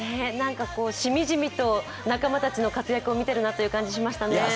しみじみと仲間たちの活躍を見てるなって感じでしたね。